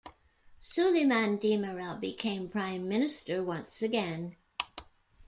Suleyman Demirel became prime minister once again.